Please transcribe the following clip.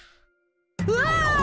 うわ！